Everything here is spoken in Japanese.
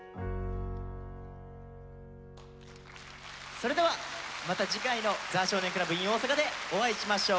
それではまた次回の「ザ少年倶楽部ｉｎ大阪」でお会いしましょう。